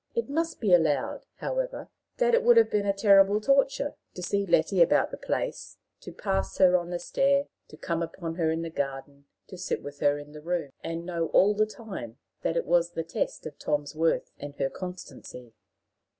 It must be allowed, however, that it would have been a terrible torture to see Letty about the place, to pass her on the stair, to come upon her in the garden, to sit with her in the room, and know all the time that it was the test of Tom's worth and her constancy.